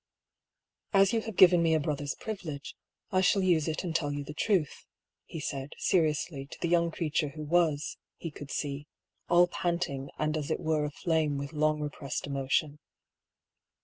" As you have given me a brother's privilege, I shall use it and tell you the truth," he said, seriously, to the young creature who was, he could see, all panting and as it were aflame with long repressed emotion.